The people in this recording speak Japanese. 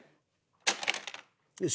よし！